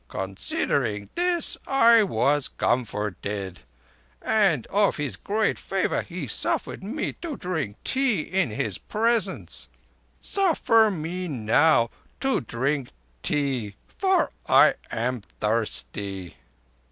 Considering this I was comforted, and of his great favour he suffered me to drink tea In his presence. Suffer me now to drink tea, for I am thirsty."